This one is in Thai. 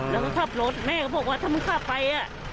แล้วก็ขับรถแม่ก็บอกว่าถ้ามึงข้าไป